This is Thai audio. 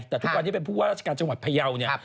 แต่ทุกวันนี้เป็นผู้ว่าราชการจังหวัดพยาวเนี่ย